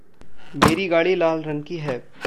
मेरी गाड़ी लाल रंग की है।